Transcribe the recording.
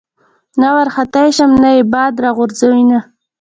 نه ورختی شم نه ئې باد را غورځوېنه